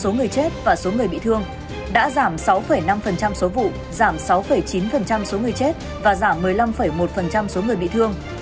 số người chết và số người bị thương đã giảm sáu năm số vụ giảm sáu chín số người chết và giảm một mươi năm một số người bị thương